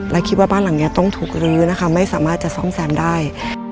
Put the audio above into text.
และคิดว่าบ้านหลังนี้ต้องถูกรื้อนะคะไม่สามารถจะซ่อมแซมได้